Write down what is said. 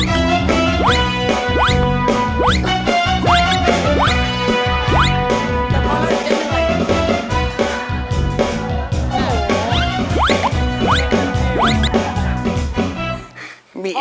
พอแล้วเดี๋ยวเหนื่อยเดี๋ยวไม่มีเจ๊